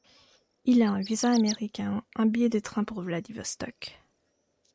Il a un visa américain, un billet de train pour Vladivostok.